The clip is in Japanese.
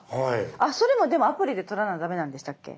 それもでもアプリで取らなダメなんでしたっけ？